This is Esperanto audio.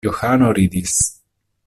Johano ridis.